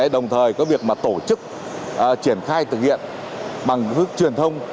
đồng thời có việc mà tổ chức triển khai thực hiện bằng phước truyền thông